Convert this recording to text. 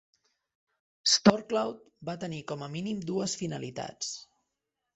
Storcloud va tenir com a mínim dues finalitats.